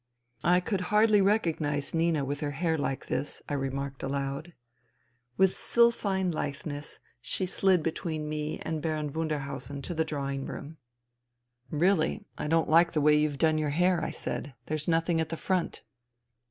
" I could hardly recognize Nina with her hair like this," I remarked aloud. With sylphine litheness, she slid between me and Baron Wunderhausen to the drawing room. 182 FUTILITY " Really, I don't like the way you've done your hair," I said. '' There's nothing at the front."